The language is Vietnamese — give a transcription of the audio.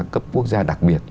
cấp quốc gia đặc biệt